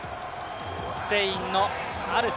スペインのアルセ。